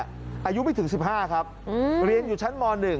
อายุไม่ถึง๑๕ครับเรียนอยู่ชั้นม๑